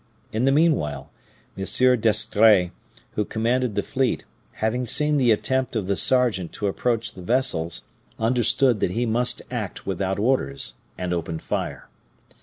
In the meanwhile, M. d'Estrees, who commanded the fleet, having seen the attempt of the sergeant to approach the vessels, understood that he must act without orders, and opened fire.